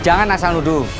jangan asal nuduh